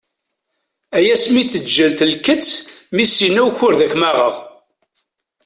Ay asmi teǧǧel telket, mi s-yenna ukured ad kem-aɣeɣ!